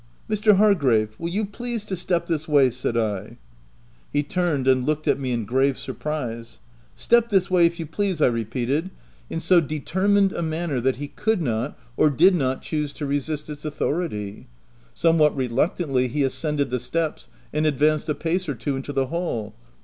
€* Mr. Hargrave, will you please to step this way ?" said I. He turned and looked at me in grave sur prise. * Step this way, if you please P' I repeated, VOL. III. D 50 THE TENANT in so determined a manner that he could not, or did not choose to resist its authority. Somewhat reluctantly he ascended the steps and advanced a pace or two into the hall.